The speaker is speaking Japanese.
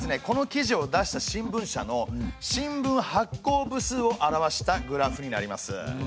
この記事を出した新聞社の新聞発行部数を表したグラフになります。